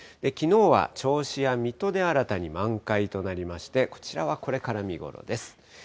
きのうは銚子や水戸で新たに満開となりまして、こちらはこれから見頃です。